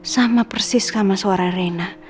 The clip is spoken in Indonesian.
sama persis sama suara rena